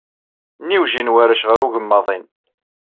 Nniwjin warrac ɣer ugemmaḍin.